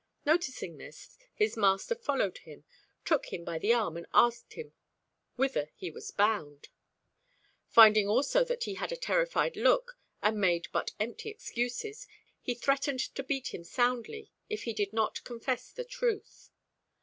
Noticing this, his master followed him, took him by the arm and asked him whither he was bound. Finding also that he had a terrified look and made but empty excuses, he threatened to beat him soundly if he did not confess the truth.